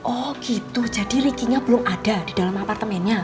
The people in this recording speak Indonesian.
oh gitu jadi rikinya belum ada di dalam apartemennya